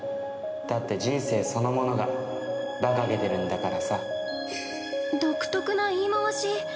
だって人生そのものが馬鹿げてるんだからさ。